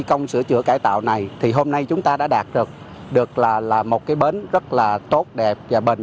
công sửa chữa cải tạo này thì hôm nay chúng ta đã đạt được được là một cái bến rất là tốt đẹp và bền